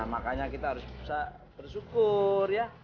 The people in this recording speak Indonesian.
makanya kita harus bisa bersyukur ya